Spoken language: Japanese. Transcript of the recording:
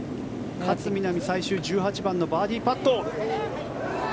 勝みなみ最終１８番のバーディーパット。